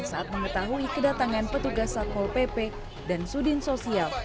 saat mengetahui kedatangan petugas satpol pp dan sudin sosial